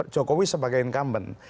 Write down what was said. jokowi sebagai incumbent